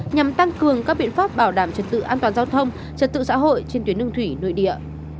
nhằm tăng cường các biện pháp bảo đảm trật tự an toàn giao thông trật tự xã hội trên tuyến đường thủy nội địa